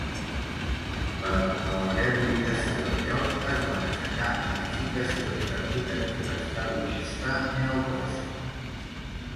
Per a la rehabilitació del lloc, es van aixecar edificacions d'arquitectura estalinista neoclàssica.